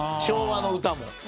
昭和の歌も。